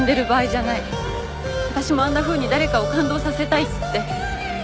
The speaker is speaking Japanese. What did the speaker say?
私もあんなふうに誰かを感動させたいって。